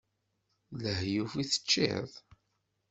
D lehyuf i teččiḍ?